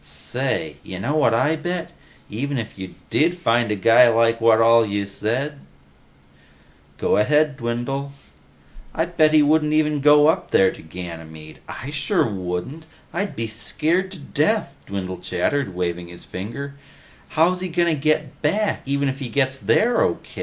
"Say, you know what I bet? Even if you did find a guy who's like what all you said ..." "Go ahead, Dwindle." "... I bet he wouldn't even go up there to Ganymede. I sure wouldn't! I'd be scared to death," Dwindle chattered, waving his finger. "How's he gonna get back, even if he gets there O.